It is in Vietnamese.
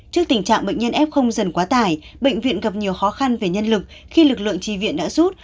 trước tình trạng bệnh nhân f dần quá tải bệnh viện gặp nhiều khó khăn về nhân lực khi lực lượng trì viện đã rút